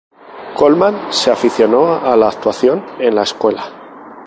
Colman se aficionó a la actuación en la escuela.